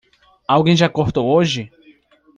Alguém já cortou hoje?